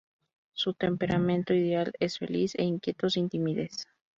Su temperamento ideal es feliz e inquieto, sin timidez.